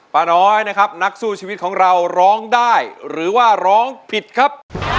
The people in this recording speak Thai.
ป้าน้อยนะครับนักสู้ชีวิตของเราร้องได้หรือว่าร้องผิดครับ